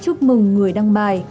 chúc mừng người đăng bài